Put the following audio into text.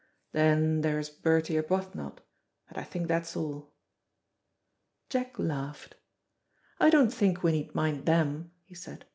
Then there's Bertie Arbuthnot, and I think that's all." Jack laughed. "I don't think we need mind them," he said.